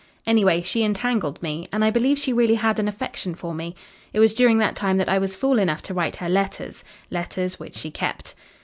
Anyway she entangled me. And I believe she really had an affection for me. It was during that time that I was fool enough to write her letters letters which she kept.